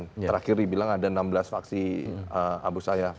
terakhir dibilang ada enam belas vaksi abu sayyaf